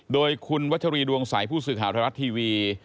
โดยคุณวัชรีดวงใสผู้สื่อข่าวไทยรัฐทีวี